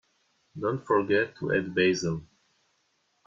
Don't forget to add Basil.